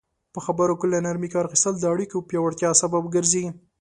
په خبرو کې له نرمي کار اخیستل د اړیکو پیاوړتیا سبب ګرځي.